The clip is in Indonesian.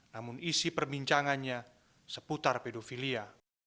namun isi perbincangannya seputar pedofilia